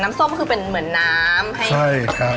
ส้มคือเป็นเหมือนน้ำให้ครับ